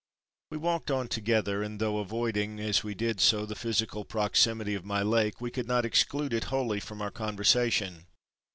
We walked on together, and though avoiding as we did so the physical proximity of my Lake we could not exclude it wholly from our conversation.